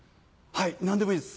何でもいいです